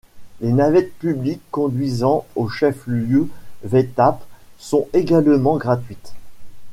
Les navettes publiques conduisant au chef-lieu Vaitape sont également gratuite.